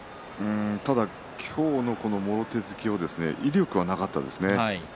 ただ今日のもろ手突きは威力はなかったですね。